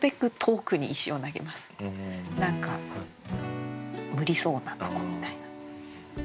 何か無理そうなとこみたいな。